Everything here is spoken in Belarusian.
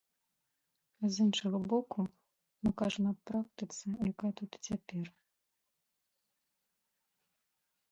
З іншага боку, мы кажам аб практыцы, якая тут і цяпер.